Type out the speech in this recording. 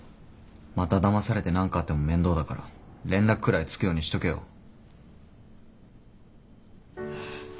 まただまされて何かあっても面倒だから連絡くらいつくようにしとけよ。